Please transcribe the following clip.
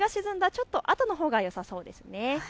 ちょっとあとのほうがよさそうです。